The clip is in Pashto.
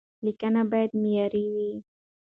لیکنه باید معیاري وي.